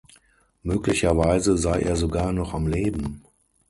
Möglicherweise sei er sogar noch am Leben.